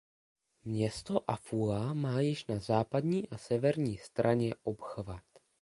Město Afula má již na západní a severní straně obchvat.